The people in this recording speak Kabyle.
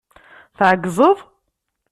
Tɛezgeḍ?